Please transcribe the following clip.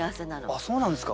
あっそうなんですか？